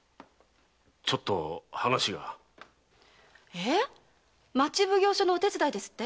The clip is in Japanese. ええっ町奉行所のお手伝いですって？